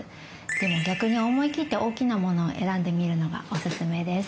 でも逆に思いきって大きなものを選んでみるのがおすすめです。